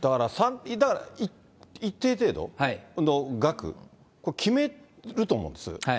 だから一定程度の額、決めると思うんです。